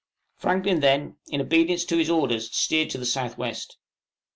Franklin then, in obedience to his orders, steered to the south west.